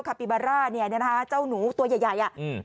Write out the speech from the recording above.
คัปบิบาร่าเจ้าหนูตัวใหญ่